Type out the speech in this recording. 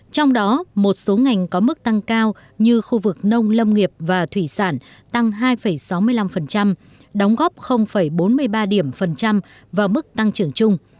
trong đó một số ngành có mức tăng cao như khu vực nông lâm nghiệp và thủy sản tăng hai sáu mươi năm đóng góp bốn mươi ba và mức tăng trưởng chung